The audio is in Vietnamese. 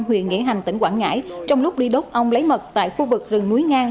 huyện nghĩa hành tỉnh quảng ngãi trong lúc đi đốt ong lấy mật tại khu vực rừng núi ngang